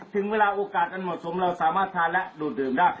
ถึงเวลาโอกาสต้นเหมาะทรวมเราสามารถทานและโดดเดิมได้